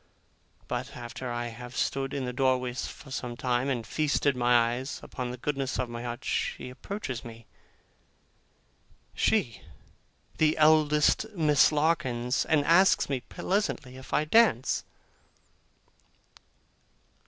But after I have stood in the doorway for some time, and feasted my eyes upon the goddess of my heart, she approaches me she, the eldest Miss Larkins! and asks me pleasantly, if I dance?